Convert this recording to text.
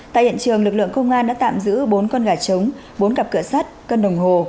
tại hiện trường lực lượng công an đã tạm giữ bốn con gà trống bốn cặp cửa sắt cân đồng hồ